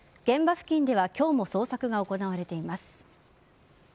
現場付近では今日も捜索が行われています。